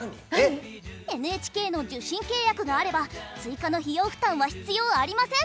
ＮＨＫの受信契約があれば追加の費用負担は必要ありません。